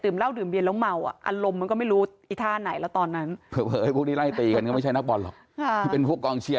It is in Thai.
ดื่มเหล้าดื่มเบียนแล้วเมาอารมณ์ก็ไม่รู้